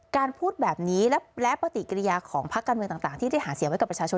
พูดแบบนี้และปฏิกิริยาของพักการเมืองต่างที่ได้หาเสียงไว้กับประชาชน